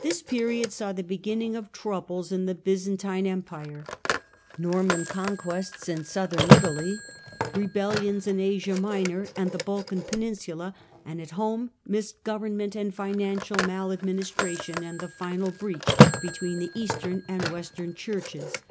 This period saw the beginning ^Q^^iohi of troubles in the Byzantine Empire : Norman conquests in Southern Italy (see p. 36), rebellions in Asia Minor and the Balkan peninsula, and at home misgovernment and financial maladministration, and the final breach between the Eastern and Western churches.